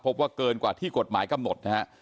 พบว่าเกินกว่าที่กฎหมายกำหนดนะฮะ